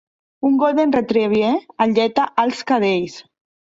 Una golden retriever alleta els cadells.